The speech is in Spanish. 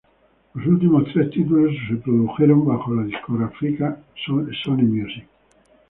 Los últimos tres títulos se produjeron bajo la discográfica Sony Music.